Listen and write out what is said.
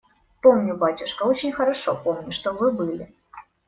Помню, батюшка, очень хорошо помню, что вы были.